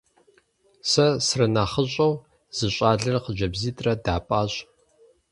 Сэ сранэхъыщӀэу зы щӏалэрэ хъыджэбзитӏрэ дапӀащ.